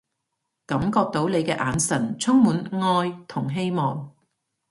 感覺到你嘅眼神充滿愛同希望